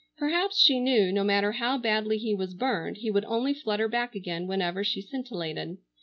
Perhaps she knew, no matter how badly he was burned he would only flutter back again whenever she scintillated.